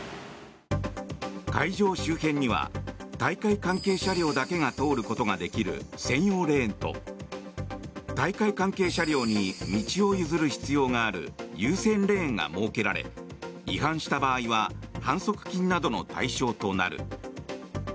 会場周辺には大会関係車両だけが通ることができる専用レーンと大会関係車両に道を譲る必要がある優先レーンが設けられ違反した場合は反則金などの対象となる。